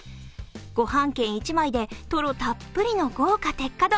ごはん券１枚でとろたっぷりの豪華鉄火丼。